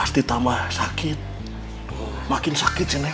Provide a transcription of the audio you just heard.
diem ya knocknya juga